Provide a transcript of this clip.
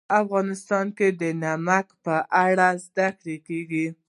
افغانستان کې د نمک په اړه زده کړه کېږي.